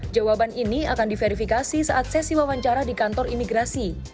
jawaban ini akan diverifikasi saat sesi wawancara di kantor imigrasi